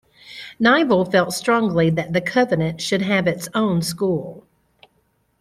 Nyvall felt strongly that the Covenant should have its own school.